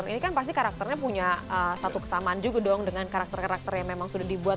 ini kan pasti karakternya punya satu kesamaan juga dong dengan karakter karakter yang memang sudah dibuat